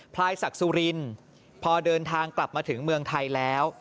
พลายศักดิ์สุรินพอเดินทางกลับมาถึงเมืองไทยแล้ว